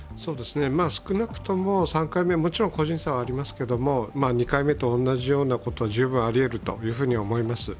少なくとも３回目、もちろん個人差はありますけれども２回目と同じようなことは十分あり得ると思います。